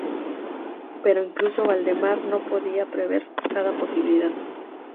Pero incluso Valdemar no podía prever cada posibilidad.